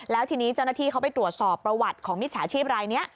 แล้วทีนี้เจ้าหน้าที่เขาไปตรวจสอบประวัติของมิจฉาชีพรายนี้